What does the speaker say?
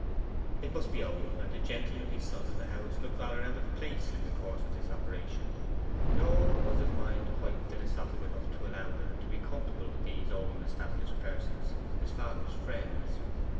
It must be owned that the gentlemanly son of the house looked rather out of place in the course of this operation. Nor was his mind quite philosophic enough to allow him to be comfortable with these old established persons, his father's friends.